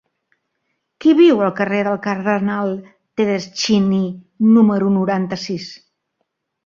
Qui viu al carrer del Cardenal Tedeschini número noranta-sis?